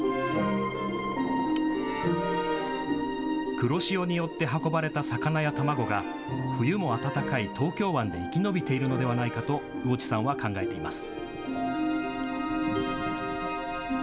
黒潮によって運ばれた魚や卵が冬も暖かい東京湾で生き延びているのではないかと魚地さんは考えています。